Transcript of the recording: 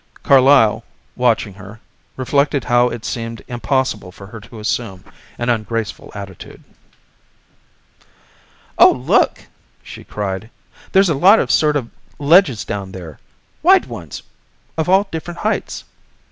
Carlyle, watching her, reflected how it seemed impossible for her to assume an ungraceful attitude. "Oh, look," she cried. "There's a lot of sort of ledges down there. Wide ones of all different heights."